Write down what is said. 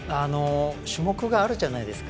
種目があるじゃないですか。